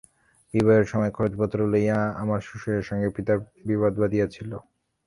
বিবাহের সময় খরচ-পত্র লইয়া আমার শ্বশুরের সঙ্গে পিতার বিবাদ বাধিয়াছিল।